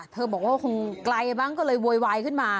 บอกว่าคงไกลมั้งก็เลยโวยวายขึ้นมา